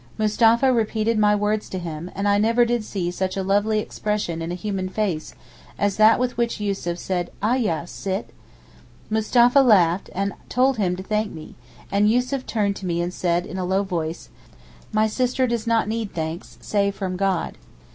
Mustapha repeated my words to him, and never did I see such a lovely expression in a human face as that with which Yussuf said Eh, ya Sitt! Mustapha laughed, and told him to thank me, and Yussuf turned to me and said, in a low voice, 'my sister does not need thanks, save from God.